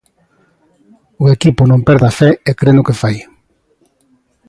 O equipo non perde a fe e cre no que fai.